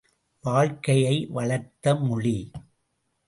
வாழ்க்கையை வளர்த்த மொழி.